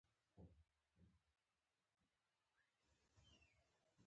ته په دې علمي مرکز کې د ګډون هرکلی کوي.